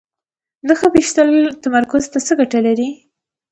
نښه ویشتل تمرکز ته څه ګټه لري؟